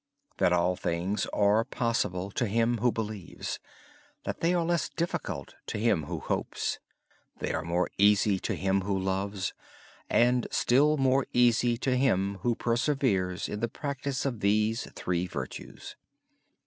All things are possible to him who believes. They are less difficult to him who hopes. They are more easy to him who loves, and still more easy to him who perseveres in the practice of these three virtues.